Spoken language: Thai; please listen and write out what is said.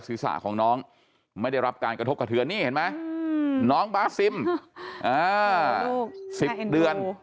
ศีรษะของน้องไม่ได้รับการกระทบกระเทือนนี่เห็นไหมน้องบาซิม๑๐เดือน